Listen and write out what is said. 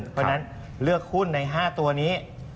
เพราะฉะนั้นเลือกหุ้นใน๕ตัวนี้